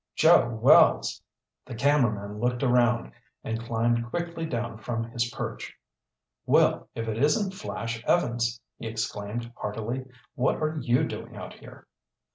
"Joe Wells!" The cameraman looked around, and climbed quickly down from his perch. "Well, if it isn't Flash Evans!" he exclaimed heartily. "What are you doing out here?"